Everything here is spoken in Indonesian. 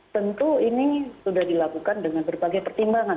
tentu ini sudah dilakukan dengan berbagai pertimbangan